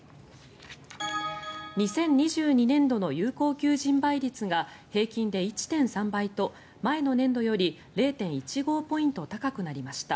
２０２２年度の有効求人倍率が平均で１．３倍と前の年度より０．１５ポイント高くなりました。